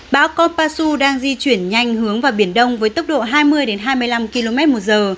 bão konpasu đang di chuyển nhanh hướng vào biển đông với tốc độ hai mươi hai mươi năm km một giờ